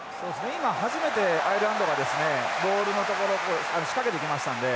今初めてアイルランドがですねボールのところ仕掛けてきましたので。